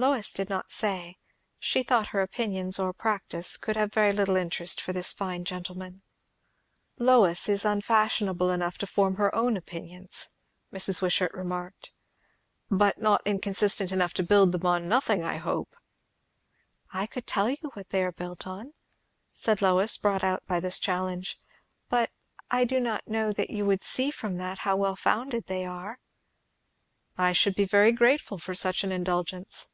Lois did not say; she thought her opinions, or practice, could have very little interest for this fine gentleman. "Lois is unfashionable enough to form her own opinions," Mrs. Wishart remarked. "But not inconsistent enough to build them on nothing, I hope?" "I could tell you what they are built on," said Lois, brought out by this challenge; "but I do not know that you would see from that how well founded they are." "I should be very grateful for such an indulgence."